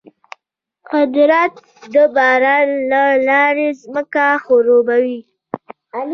قدرت د باران له لارې ځمکه خړوبوي.